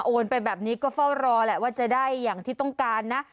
ไปแบบนี้ก็เฝ้ารอแหละว่าจะได้อย่างที่ต้องการนะ